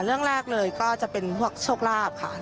เรื่องแรกเลยก็จะเป็นพวกโชคลาภค่ะ